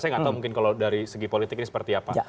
saya nggak tahu mungkin kalau dari segi politik ini seperti apa